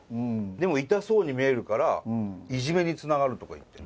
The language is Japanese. でも痛そうに見えるからいじめにつながるとか言って。